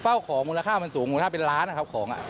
ของมูลค่ามันสูงมูลค่าเป็นล้านนะครับของ